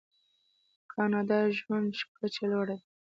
د کاناډا ژوند کچه لوړه ده.